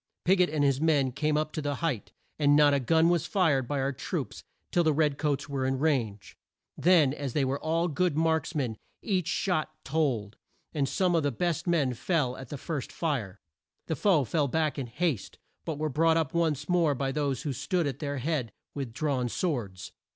Pig ot and his men came up the height, and not a gun was fired by our troops till the red coats were in range. Then, as they were all good marks men each shot told, and some of the best men fell at the first fire. The foe fell back in haste, but were brought up once more by those who stood at their head with drawn swords.